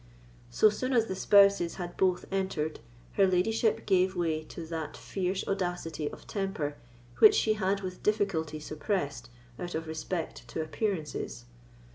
So soon as the spouses had both entered, her ladyship gave way to that fierce audacity of temper which she had with difficulty suppressed, out of respect to appearances.